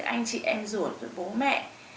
anh chị em ruột bố mẹ